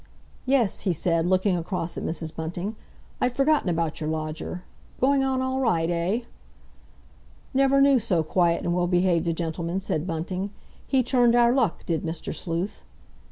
"Yes," he said, looking across at Mrs. Bunting, "I'd forgotten about your lodger. Going on all right, eh?" "Never knew so quiet and well behaved a gentleman," said Bunting. "He turned our luck, did Mr. Sleuth."